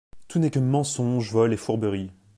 Tout n’est que mensonge, vol et fourberie !…